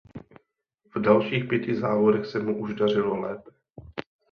V dalších pěti závodech se mu už dařilo lépe.